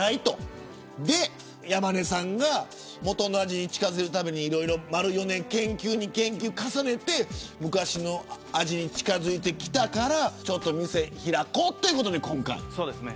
それで山根さんが元の味に近づけるために４年間、研究に研究を重ねて昔の味に近づいてきたから店を開こうということで。